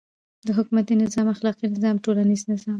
. د حکومتی نظام، اخلاقی نظام، ټولنیز نظام